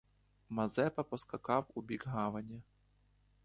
Мазепа поскакав у бік гавані.